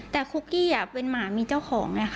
แต่คุกกี้เป็นหมามีเจ้าของไงค่ะ